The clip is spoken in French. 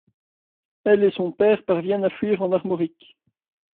Elle et son père parviennent à fuir en Armorique.